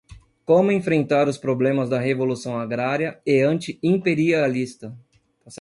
Como Enfrentar os Problemas da Revolução Agrária e Anti-Imperialista